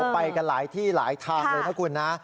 ไปกันหลายที่หลายทางเลยนะคุณนะ